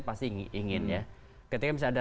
pasti ingin ya ketika misalnya ada